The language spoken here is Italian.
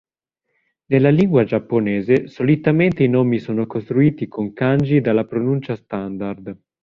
Nella lingua giapponese solitamente i nomi sono costruiti con kanji dalla pronuncia standard.